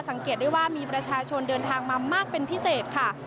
สังเกตได้ว่ามีประชาชนเดินทางมามากเป็นพิเศษค่ะ